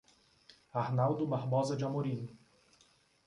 Arnaldo Barbosa de Amorim